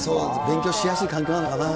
勉強しやすい環境なのかな。